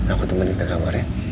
aku teman kita ke kamar ya